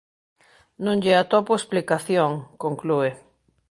non lle atopo explicación", conclúe.